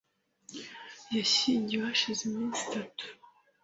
Yashyingiwe hashize iminsi itatu.